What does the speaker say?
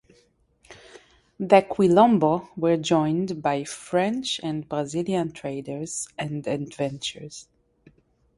The Quilombo were joined by French and Brazilian traders and adventurers.